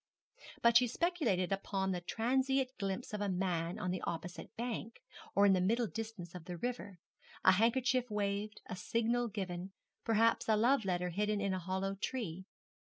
But she speculated upon some transient glimpse of a man on the opposite bank, or in the middle distance of the river a handkerchief waved, a signal given, perhaps a love letter hidden in a hollow tree.